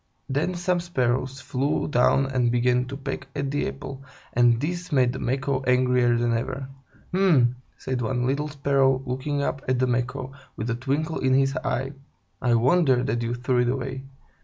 Then some Sparrows flew down and began to peck at the apple, and this made the Macaw angrier than ever. "H'm!" said one little Sparrow, looking up at the Macaw, with a twinkle in his eye; "quite a good apple! I wonder that you threw it away.